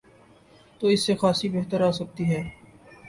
تو اس سے خاصی بہتری آ سکتی ہے۔